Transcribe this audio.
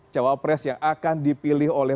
cowok pres yang akan dipilih oleh